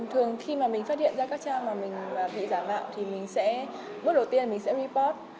thường khi mà mình phát hiện ra các trang mà mình bị giả mạo thì mình sẽ bước đầu tiên mình sẽ report